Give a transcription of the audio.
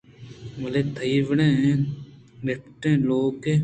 بلے تئی وڑیں نِپٹّیں لُولکے